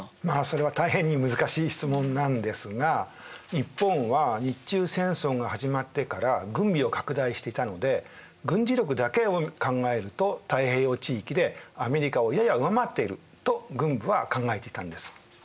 まあそれは大変に難しい質問なんですが日本は日中戦争が始まってから軍備を拡大していたので軍事力だけを考えると太平洋地域でアメリカをやや上回っていると軍部は考えていたんです。